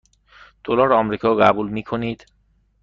دلار آمریکا قبول می کنید؟